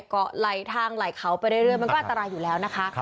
เกาะไหลทางไหลเขาไปเรื่อยมันก็อันตรายอยู่แล้วนะคะ